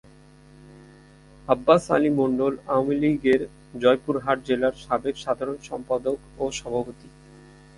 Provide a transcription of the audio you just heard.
আব্বাস আলী মন্ডল আওয়ামী লীগের জয়পুরহাট জেলার সাবেক সাধারণ সম্পাদক ও সভাপতি।